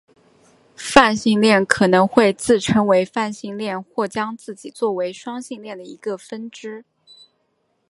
泛性恋可能会自称为泛性恋或将自己做为双性恋的一个分支。